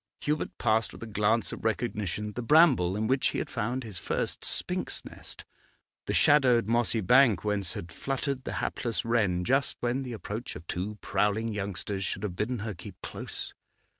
Hubert passed with a glance of recognition the bramble in which he had found his first spink's nest, the shadowed mossy bank whence had fluttered the hapless wren just when the approach of two prowling youngsters should have bidden her keep close.